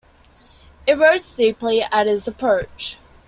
It rose steeply at his approach.